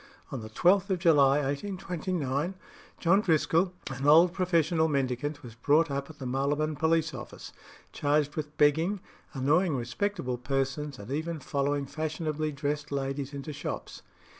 On the 12th of July 1829 John Driscoll, an old professional mendicant, was brought up at the Marylebone Police office, charged with begging, annoying respectable persons, and even following fashionably dressed ladies into shops.